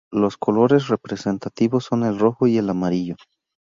Los colores representativos son el rojo y el amarillo.